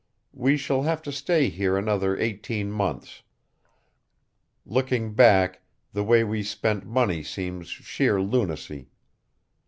We shall have to stay here another eighteen months. Looking back, the way we spent money seems sheer lunacy.